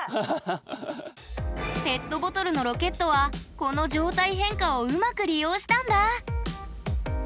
ペットボトルのロケットはこの状態変化をうまく利用したんだ。